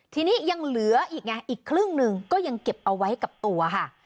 ทีนี้ยังเหลืออีกไงอีกครึ่งหนึ่งก็ยังเก็บเอาไว้กับตัวค่ะ